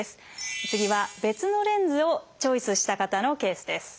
次は別のレンズをチョイスした方のケースです。